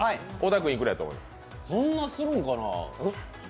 そんなするんかなぁ。